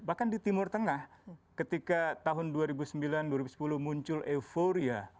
bahkan di timur tengah ketika tahun dua ribu sembilan dua ribu sepuluh muncul euforia